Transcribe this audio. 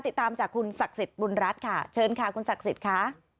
ติดตามจากคุณศักดิ์สิทธิ์บุญรัฐค่ะเชิญค่ะคุณศักดิ์สิทธิ์ค่ะ